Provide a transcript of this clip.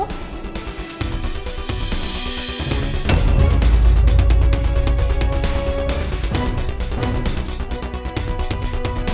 sampai jumpa lagi